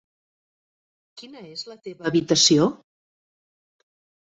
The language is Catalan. Quina és la teva habitació?